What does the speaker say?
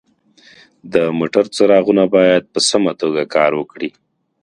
د موټر څراغونه باید په سمه توګه کار وکړي.